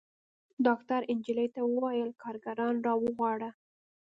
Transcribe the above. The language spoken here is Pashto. ډاکتر نجلۍ ته وويل کارګران راوغواړه.